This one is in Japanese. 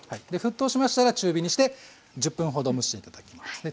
沸騰しましたら中火にして１０分ほど蒸して頂きます。